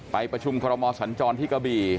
ประชุมคอรมอสัญจรที่กะบี่